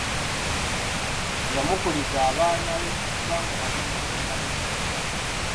Yamukuliza abaana be okuva nga bato naye teyabijjukira.